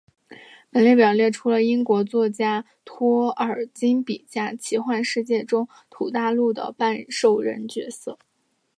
本列表列出了英国作家托尔金笔下奇幻世界中土大陆里的半兽人角色。